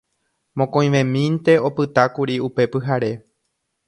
Mokõivemínte opytákuri upe pyhare.